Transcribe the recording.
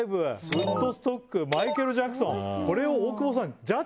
ウッドストックマイケル・ジャクソン。